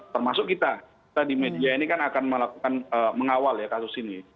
termasuk kita kita di media ini kan akan melakukan mengawal ya kasus ini